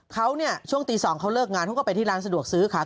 เขาเนี่ยช่วงตี๒เขาเลิกงานเขาก็ไปที่ร้านสะดวกซื้อค่ะ